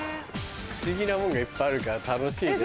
不思議なもんがいっぱいあるから楽しいね。